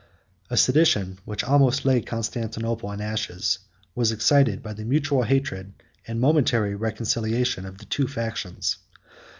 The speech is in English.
6.] A sedition, which almost laid Constantinople in ashes, was excited by the mutual hatred and momentary reconciliation of the two factions.